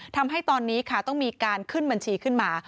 ทำให้ตอนนี้ค่ะต้องมีการขึ้นบัญชีขึ้นมา